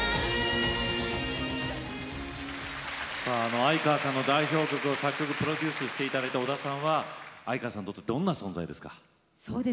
相川さんの代表曲を作曲、プロデュースしていた織田さんは相川さんにとってどんな存在ですか。